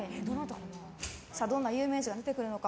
どんな有名人が出てくるのか。